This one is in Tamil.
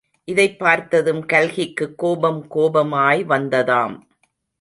இதைப் பார்த்ததும் கல்கிக்கு கோபம் கோபமாய் வந்ததாம்.